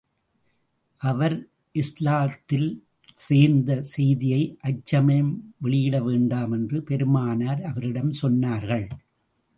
அவர் இஸ்லாத்தில் சேர்ந்த செய்தியை அச்சமயம் வெளியிட வேண்டாம் என்று பெருமானார் அவரிடம் சொன்னார்கள்.